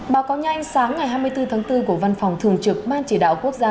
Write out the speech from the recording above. báo cáo nhanh sáng ngày hai mươi bốn tháng bốn của văn phòng thường trực ban chỉ đạo quốc gia